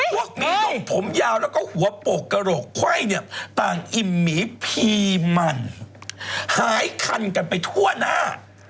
หมีหนุ่มผมยาวแล้วก็หัวโปกกระโหลกไขว้เนี่ยต่างอิ่มหมีพีมันหายคันกันไปทั่วหน้า